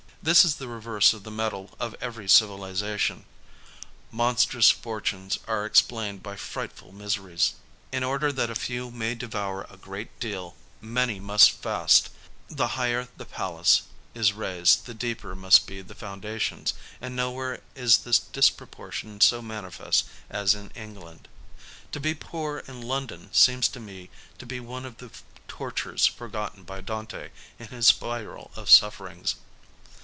This is the reverse of the medal of every civilization : monstrous fortunes are explained by frightful miseries. In order that a few may devour a great deal, many must fast : the higher the palace is raised the deeper must be the founda tions, and nowhere is this disproportion so manifest as in England. To be poor in London seems to me to be one of the tortures forgotten by Dante in his spiral of sufferings.